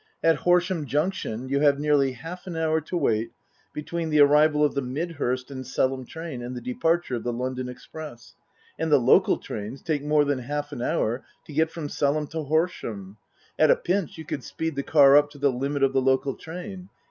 At Horsham Junction you have nearly half an hour to wait between the arrival of the Midhurst and Selham train and the departure of the London express. And the local trains take more than half an hour to get from Selham to Horsham. At a pinch you could speed the car up to the limit of the local train.